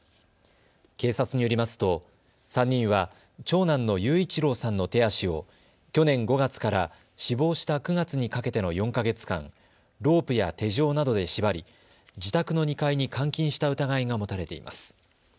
警察によりますと３人は長男の雄一郎さんの手足を去年５月から死亡した９月にかけての４か月間、ロープや手錠などで縛り自宅の２階に監禁した疑いが持たれています。